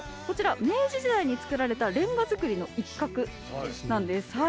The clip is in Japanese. こちら明治時代に造られたれんが造りの一角なんです。